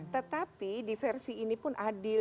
tetapi diversi ini pun adil